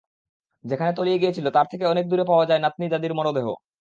যেখানে তলিয়ে গিয়েছিল তার থেকে অনেক দূরে পাওয়া যায় নাতনি-দাদির মরদেহ।